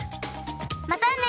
またね。